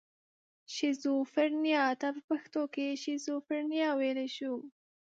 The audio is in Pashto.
شیزوفرنیا ته په پښتو کې شیزوفرنیا ویلی شو.